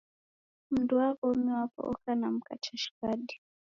Mundu wa w'omi wapo oka na mka chashighadi